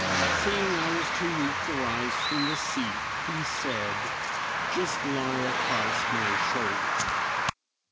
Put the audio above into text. Seeing I was too weak to rise from the seat, he said, "Just lie across my shoulder."